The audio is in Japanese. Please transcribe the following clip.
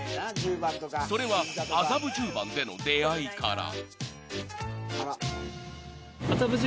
［それは麻布十番での出会いから］